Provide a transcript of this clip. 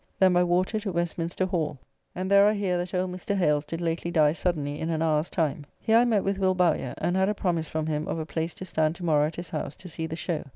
Then by water to Westminster Hall, and there I hear that old Mr. Hales did lately die suddenly in an hour's time. Here I met with Will Bowyer, and had a promise from him of a place to stand to morrow at his house to see the show.